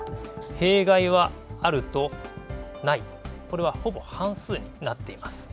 弊害はあるとない、これはほぼ半数になっています。